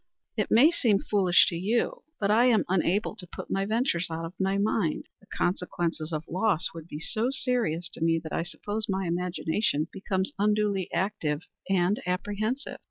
"It may seem foolish to you, but I am unable to put my ventures out of my mind. The consequences of loss would be so serious to me that I suppose my imagination becomes unduly active and apprehensive.